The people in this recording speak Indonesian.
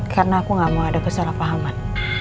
karena aku gak mau ada kesalahpahaman